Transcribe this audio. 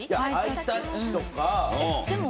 ハイタッチとか。